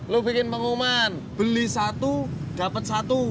lo bikin pengumuman beli satu dapat satu